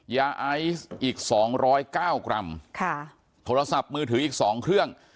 ยาไอซ์อีกสองร้อยเก้ากรัมค่ะโทรศัพท์มือถืออีกสองเครื่อง